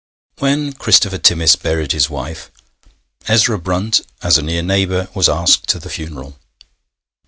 When George Christopher Timmis buried his wife, Ezra Brunt, as a near neighbour, was asked to the funeral.